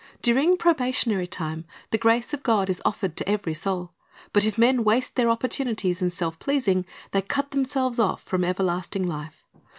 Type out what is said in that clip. During probationary time the grace of God is offered to every soul. But if men waste their opportunities in self pleasing, they cut themselves off from everlasting life.